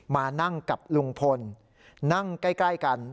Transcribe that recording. มานั่งกับลุงพลนั่งใกล้กัน